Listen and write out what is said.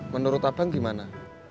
menurut abang gimana